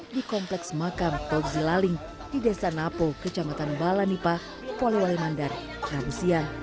di kompleks makam togzi laling di desa napo kecamatan balanipa poliwalimandar ramusia